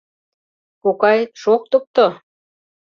Кокай, шоктыкто.